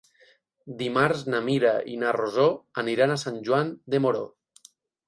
Dimarts na Mira i na Rosó aniran a Sant Joan de Moró.